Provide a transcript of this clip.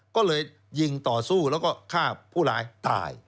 ก็เลยยิงต่อสู้แล้วก็ฆ่าผู้ร้ายตาย